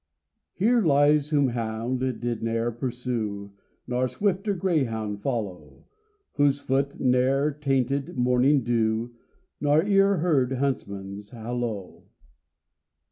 Here lies, whom hound did ne'er pursue, Nor swifter greyhound follow, Whose foot ne'er tainted morning dew, Nor ear heard huntsman's halloo.